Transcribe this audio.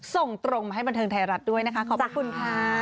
ส่งตรงมาให้บันเทิงไทยรัฐด้วยนะคะขอบพระคุณค่ะ